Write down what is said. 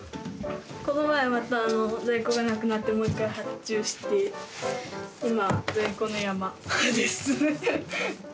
この前また在庫がなくなってもう一回発注して今在庫の山ですフフッ。